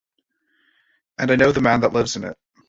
And I know the man that lives in it.